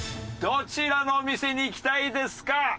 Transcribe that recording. どちらのお店に行きたいですか？